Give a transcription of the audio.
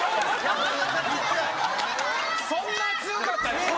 そんな強かったですか？